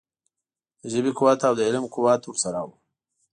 د ژبې قوت او د علم قوت ورسره وو.